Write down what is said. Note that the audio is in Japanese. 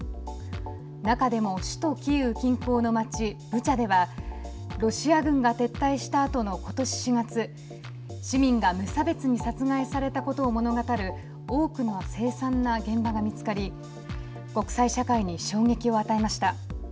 中でも首都キーウ近郊の町ブチャではロシア軍が撤退したあとのことし４月市民が無差別に殺害されたことを物語る多くの凄惨な現場が見つかり国際社会に衝撃を与えました。